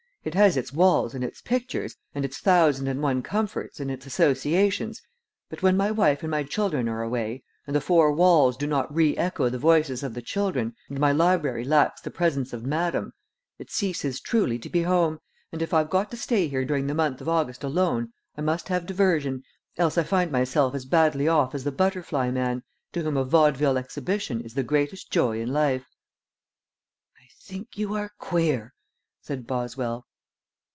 It has its walls and its pictures, and its thousand and one comforts, and its associations, but when my wife and my children are away, and the four walls do not re echo the voices of the children, and my library lacks the presence of madame, it ceases truly to be home, and if I've got to stay here during the month of August alone I must have diversion, else I shall find myself as badly off as the butterfly man, to whom a vaudeville exhibition is the greatest joy in life." "I think you are queer," said Boswell.